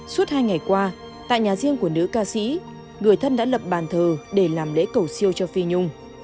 suốt hai ngày qua tại nhà riêng của nữ ca sĩ người thân đã lập bàn thờ để làm lễ cầu siêu cho phi nhung